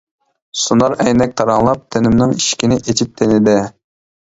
سۇنار ئەينەك تاراڭلاپ، تېنىمنىڭ ئىشىكىنى ئېچىپ تېنىدە.